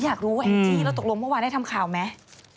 อยากรู้ไว้ที่เราตกลงเมื่อวานได้ทำข่าวไหม